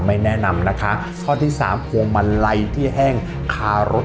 ไม่แนะนำนะคะข้อที่สามพวงมาลัยที่แห้งคารส